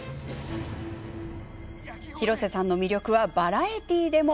広瀬さんの魅力はバラエティーでも。